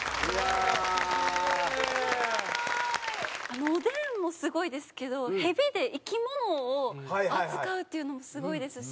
あのおでんもすごいですけどヘビで生き物を扱うっていうのもすごいですし。